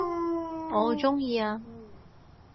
我鍾意啊